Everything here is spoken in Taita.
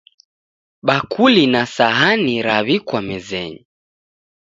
Bakuli na sahani raw'ikwa mezenyi